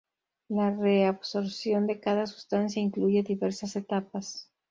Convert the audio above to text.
La reabsorción de cada sustancia incluye diversas etapas.